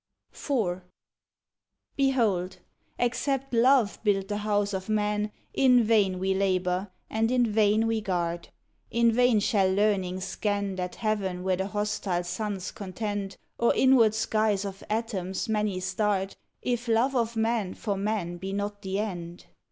IV Behold ! except Love build the House of Man In vain we labor and in vain we guard 1 In vain shall Learning scan That heaven where the hostile suns contend Or inward skies of atoms many starred, If love of man for man be not the end.